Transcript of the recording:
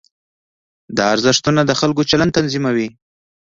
دا ارزښتونه د خلکو چلند تنظیموي.